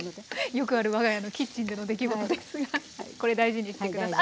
よくある我が家のキッチンでの出来事ですがこれ大事にして下さい。